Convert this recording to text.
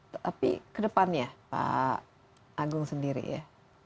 tapi kedepannya pak agung sendiri ya